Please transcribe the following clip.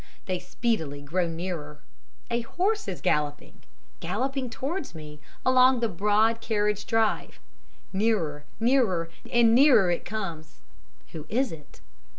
They speedily grow nearer. A horse is galloping, galloping towards me along the broad carriage drive. Nearer, nearer and nearer it comes! Who is it?